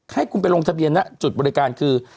ให้คุณไปลงทะเบียนนะจุดบริการคือ